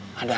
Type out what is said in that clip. ada apa sih